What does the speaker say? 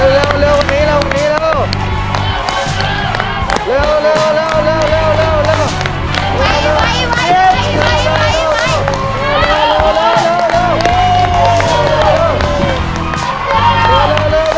เร็วเร็วเร็ว